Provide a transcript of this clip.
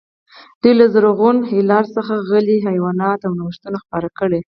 دوی له زرغون هلال څخه غلې، حیوانات او نوښتونه خپاره کړي.